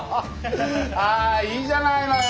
あいいじゃないのよ。